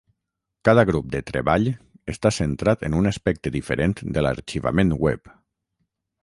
Cada grup de treball està centrat en un aspecte diferent de l'arxivament web.